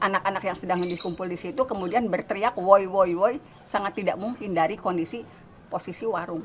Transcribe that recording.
anak anak yang sedang dikumpul di situ kemudian berteriak woy woy woy sangat tidak mungkin dari kondisi posisi warung